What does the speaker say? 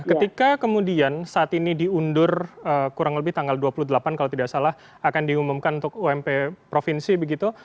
ketika kemudian saat ini diundur kurang lebih tanggal dua puluh delapan kalau tidak salah akan diumumkan untuk ump provinsi begitu